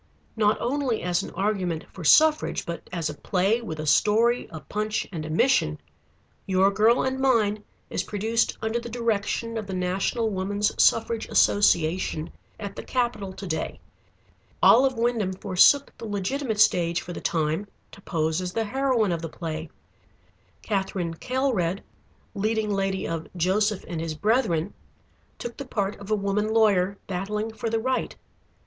"Not only as an argument for suffrage but as a play with a story, a punch, and a mission, 'Your Girl and Mine' is produced under the direction of the National Woman's Suffrage Association at the Capitol to day. "Olive Wyndham forsook the legitimate stage for the time to pose as the heroine of the play. Katherine Kaelred, leading lady of 'Joseph and his Brethren,' took the part of a woman lawyer battling for the right.